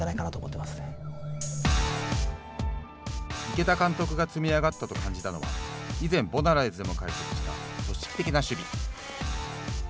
池田監督が積み上がったと感じたのは以前ボナライズでも解説した組織的な守備。